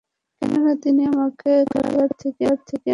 কেননা, তিনি আমাকে কারাগার থেকে মুক্ত করেছেন।